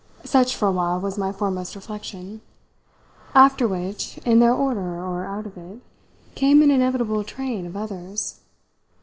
Such, for a while, was my foremost reflection; after which, in their order or out of it, came an inevitable train of others.